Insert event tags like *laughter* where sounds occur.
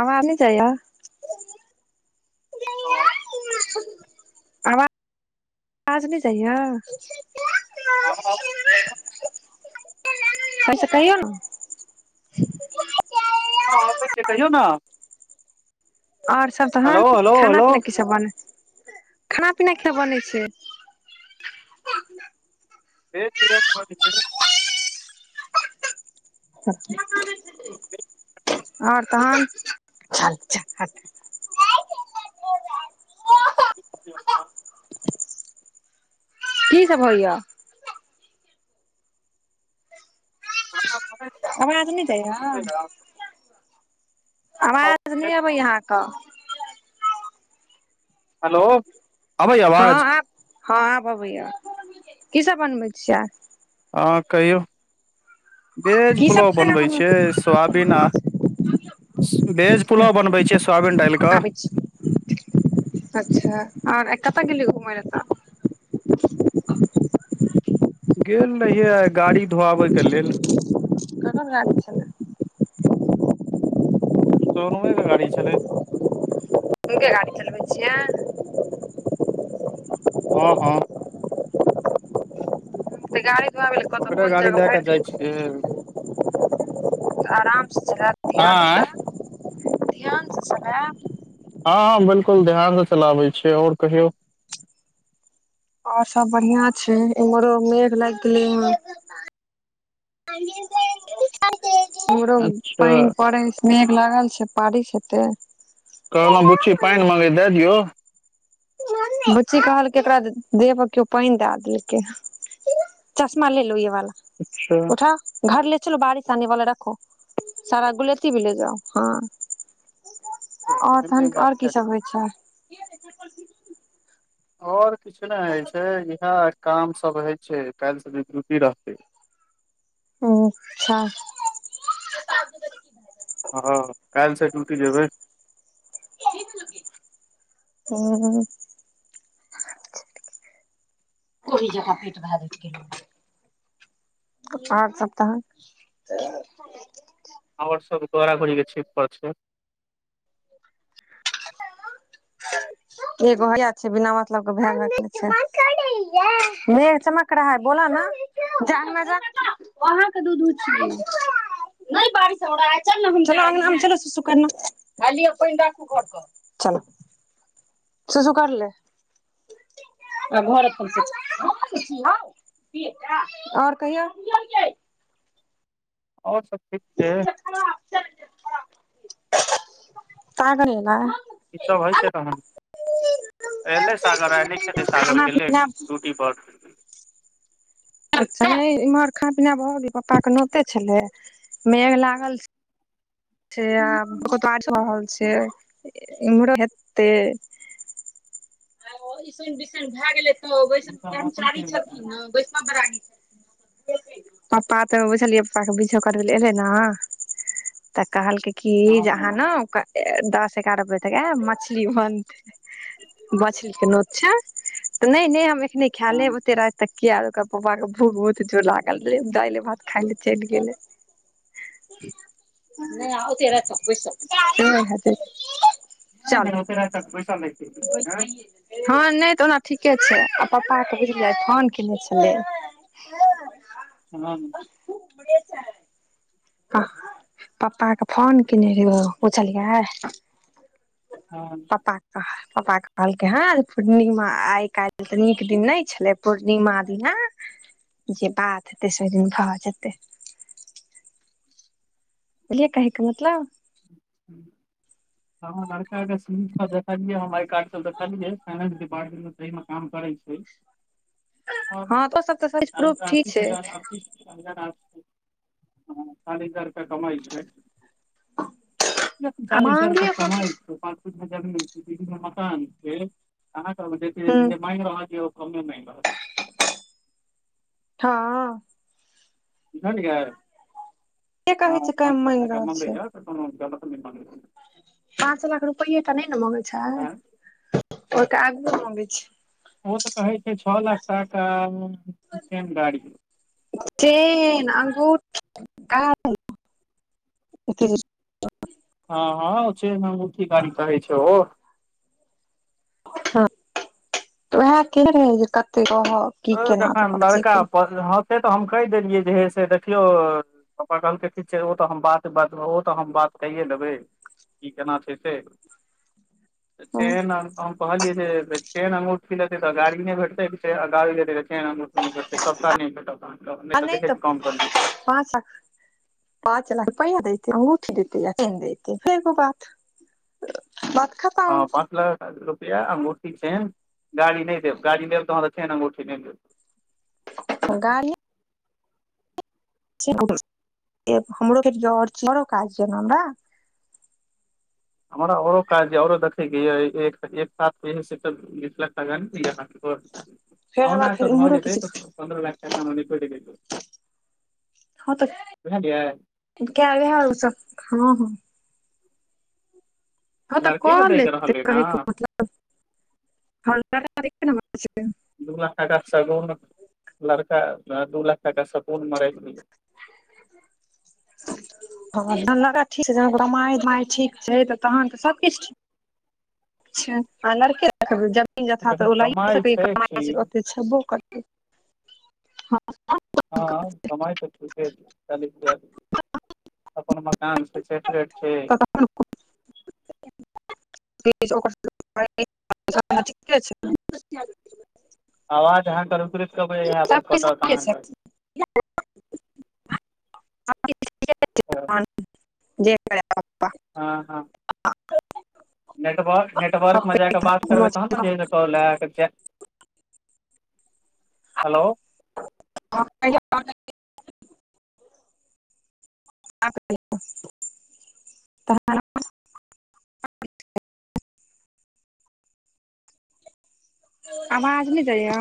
आबाज नय जाइय आओर आबा बाज नय जाइय हमरा आब फेर सँ कहियौन हँ अबै छै कहियौ न आओर सब तहन हेलो हेलो खाना हेलो पीना की सब बनै खाना पीना के बनै छै भेज बनब के छै अच्छा आओर तहन *inaudible* *inaudible* कि सब होइय आब अबाज नय जाइ य आवाज नय अबैय अहाँके हेलो अबै हँ आवाज आब हँ आब अबैय की सब बनबै छियै हँ कहियौ भेज की सब पुलाव खाना बनबै छियै सोयाबीन आ भेज पुलाव बनबै छियै सोयाबीन डालि कऽ आबै छी अच्छा आओर आय कतऽ गेल लेलियै घुमय ले तऽ गेल रहियै आय गाड़ी धोआबैके लेल ककर गारी छलै सोनूएके गाड़ी छलै हुनके गाड़ी चलबै छियै। हँ हँ तऽ गारी रा भेली कतऽ ओकरे कोन गाड़ी जगह लए कऽ भरि जाइ दिन छियै आरामसँ चलेब आँय ध्यानसँ ध्यानसँ चलेब हँ हँ बिल्कुल ध्यान से चलाबै छियै आओर कहियौ आओर सब बढ़ियाँ छै इम्हरो मेघ लागि गेलै हन इम्हरो अच्छा पानि पड़ै मेघ लागल छै पारीश हेतै कहलौं बुच्ची पानि मंगैहै दै दियौ बुच्ची कहलकै एकरा देह पर केओ पानि दए देलकै अच्छा *unintelligible* *unintelligible* ठीक छै आओर हिन्दी तहन मे बात आओर कैर कीसभ होइ छै आओर किछु नय होय छै इहे काम सब होय छै काल्हि से जे ड्यूति रहतै ओ अच्छा हँ काल्हिसँ ड्यूटी जेबै ओ *inaudible* आओर सब तहन आओर सब घोड़ा घोड़ी के छीट पर छै *unintelligible* एगो हैये छै बिना मतलब के *unintelligible* उ अहाँके दुधु छियै नहि बारीस आचार ने सुख ने खाल अपन रखू घर क *unintelligible* चल *unintelligible* आओर कहियौ आओर सब ठीक छै कागन एलै। ई सब होइ छै तहन एलै सागर आइल खतै सागर खाना गेलै पीना ड्यूटी पर इम्हर खा पीना भ गेल पप्पा के नोते छेलै मेघ लागल से आब कत आर छै ईमरो हेतै आसन बिसनि भए गेलै त बस कर्मचारी छथि ने बस म बराडी छथि पप्पा तऽ बुझलियै पप्पा के बीछो करबै ले एबै न तऽ कहलकै की जे अहाँ न दस एगारह बजे तक एब मछली बनतै मछली के नोत छै त नय नय हम एखने खा लेब ओते राति तक कियाकि ओकर पप्पा के भूख जोरसे लागल रहै दलि भात खाइ लेल चलि गेलै नय ओते राइत तक बसिल रहतै नय ओते रति तक बैसल रैहतिये हँ नय तऽ ओना ठीके छै आ पापाके बुझलिए फोन केने छलै लेन हँ उमरे पप्पा के फोन केने रहै बुझलियै हं पप्पा के कह पप्पा के कहलकै हँ पूर्णिमा आइ काल्हि तऽ निक दिन तऽ नय छलै पूर्णिमा दिना जे बात हेतय से ओहि दिन भऽ जेतय बुझलियै कहय केँ मतलब हूं हँ लड़का के सी वी सभ दखलियै हम आई कार्ड सभ दखलियै फाइनेंस डिपार्टमेंट मे सही मे काम करै छै और हँ तऽ ओ सभ तऽ सही से प्रूफ ठी अड़तीस छै *unintelligible* चालीस हजार रुपआ कमाइ छै आ चालीस हजार रुपया मांगियो कमाइ छै पाँच फीट मे जमीन दिल्ली मे मकान छै आहा केहबै हुं जे मायंग रहल छै ओ कमे मायंग रहल य हँ बुझलियै के कहै छै कम मांगि रहल छै से हम *unintelligible* पाँच लाख रुपैये तऽ नय ने मंगे छै आँय ओय के आगुओ मंगै छै ओ तऽ कहै छै छो लाख टाका चेन गाड़ी चेन अंगुठी गाड़ी हँ हँ चेन अंगुठी गाड़ी कहै छै ओ हँ तऽ उएह के रहै जे कते रहब ओ जखन लड़का पस् से तऽ हम कहि देलियै जे ह से देखियौ पप्पा कहलकै की ठीक छै ओ तऽ हम बात बाद मे ओ तऽ हम बात कैईए लेबै की केना छै से हँ चेन आ हम कहलियै जे चेन अइ अंगुठी लेतै तऽ गाड़ी नय भेटतै गारि लेतय तऽ चेन अंगुठी नय भेंटतय सभटा नय भेटत आहा केँ नय तऽ दहेज कम करियौ पां *unintelligible* पाँच लाख रुपैआ देतै अंगूठी देतै चेन देतै फेर ओ बात बात खतम हँ पाँच लाख रुपैया अंगूठी चेन गाड़ी नय देब गाड़ी देब तहन तऽ चेन अंगूठी नय देब गाड़ी *unintelligible* हमरा आओरो काज यऽ आओरो देखैके यऽ एक साथ एहे से तऽ बीस लाख टका नय फेर *unintelligible* हमरा ओना फेर तऽ भऽ इम्हरो जेतै किछु तऽ पन्द्रह लाख तक मे निपैट जेतै हँ तऽ बुझलियै कैल भेल सभ हँ हँ हँ तऽ लड़केके कऽ दैके लेते रहलै ने कहैके मतलब *inaudible* दू लाख टका सगुन लड़का दू लाख टका सगुन मे राखि दियो *inaudible* हँ लड़का ठीक छै जहन कमाय धमाय ठीक छै तहन तऽ सभकिछु ठीक छै अच्छा आ लड़के जमीन जथा जखन तऽ ल कमाइ सकै छै कमाइ छै ठीक ओ छबो करतै हँ हँ कमाय तऽ ठीके छै चालीस बियालीस अपन मकान छै सेपरेट छै *inaudible* ओकर सबके *unintelligible* सामाजिके छै न प्रति *inaudible* आवाज अहाँ कऽ रूकि रूकि कऽ अबैहे यहाँ पर सबकिछु कटत ठीके अहाँके *unintelligible* जेतै पप्पा हँ हँ आ के *inaudible* नेटवर्क नेटवर्कमे जा कऽ बात करबै तहन ने जे कॉल लए कऽ चे हेलो *unintelligible* *unintelligible* आवाज नय जाइय